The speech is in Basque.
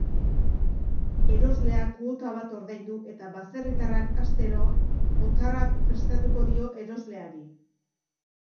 Erosleak kuota bat ordaindu, eta baserritarrak astero otarra prestatuko dio erosleari.